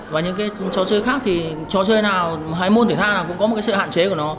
và những cái trò chơi khác thì trò chơi nào hay môn thể thao nào cũng có một cái sự hạn chế của nó